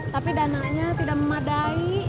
tapi dananya tidak memadai